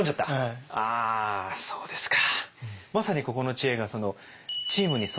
あそうですか。